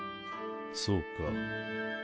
そうか。